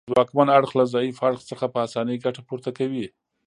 ځواکمن اړخ له ضعیف اړخ څخه په اسانۍ ګټه پورته کوي